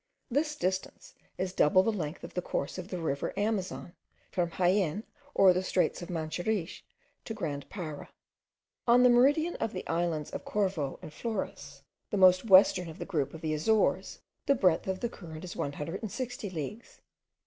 This distance is double the length of the course of the river Amazon, from Jaen or the straits of Manseriche to Grand Para. On the meridian of the islands of Corvo and Flores, the most western of the group of the Azores, the breadth of the current is 160 leagues.